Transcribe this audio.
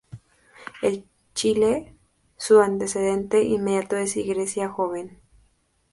En Chile su antecedente inmediato es Iglesia Joven.